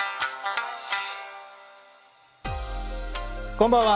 こんばんは。